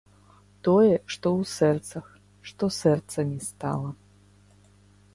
Тое, што ў сэрцах, што сэрцамі стала.